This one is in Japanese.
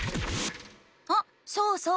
あそうそう！